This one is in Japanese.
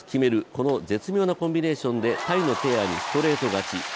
この絶妙なコンビネーションでタイのペアにストレート勝ち。